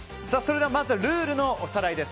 まずはルールのおさらいです。